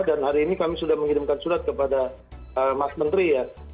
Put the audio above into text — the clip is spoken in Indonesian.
hari ini kami sudah mengirimkan surat kepada mas menteri ya